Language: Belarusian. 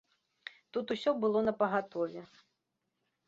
Тут усё было напагатове.